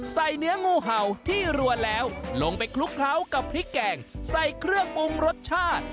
เนื้องูเห่าที่รัวแล้วลงไปคลุกเคล้ากับพริกแกงใส่เครื่องปรุงรสชาติ